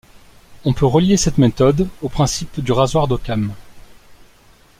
On peut relier cette méthode au principe du rasoir d'Occam.